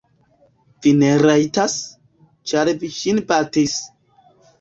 Vi ne rajtas, ĉar vi ŝin batis.